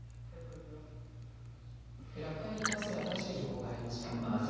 落下に関する新しい情報が入りました。